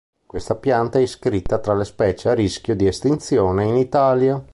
Questa pianta è iscritta tra le specie a rischio di estinzione in Italia.